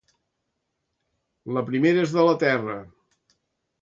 La primera és de la terra.